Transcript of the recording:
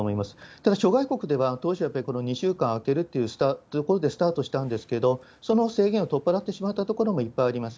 ただ、諸外国では当初、やっぱりこの２週間空けるということでスタートしたんですけれども、その制限を取っ払ってしまった所もいっぱいあります。